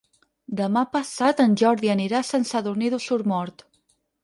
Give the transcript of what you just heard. Demà passat en Jordi anirà a Sant Sadurní d'Osormort.